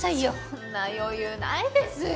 そんな余裕ないですよ！